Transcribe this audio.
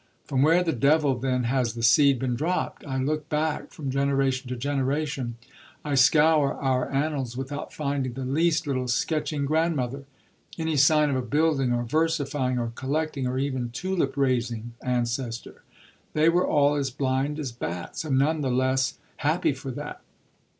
From where the devil then has the seed been dropped? I look back from generation to generation; I scour our annals without finding the least little sketching grandmother, any sign of a building or versifying or collecting or even tulip raising ancestor. They were all as blind as bats, and none the less happy for that.